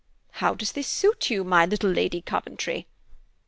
How does this suit you, my little Lady Coventry?"